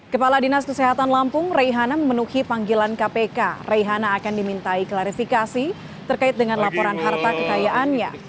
kepala dinas kesehatan lampung reihana memenuhi panggilan kpk reihana akan dimintai klarifikasi terkait dengan laporan harta kekayaannya